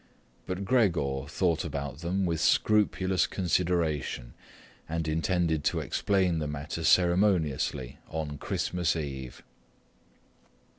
But Gregor thought about them with scrupulous consideration and intended to explain the matter ceremoniously on Christmas Eve.